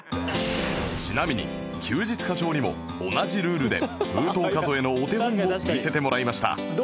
ちなみに休日課長にも同じルールで封筒数えのお手本を見せてもらいました